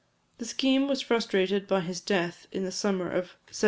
The scheme was frustrated by his death, in the summer of 1768.